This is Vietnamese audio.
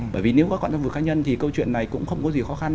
bởi vì nếu gọi gọn vụ việc cá nhân thì câu chuyện này cũng không có gì khó khăn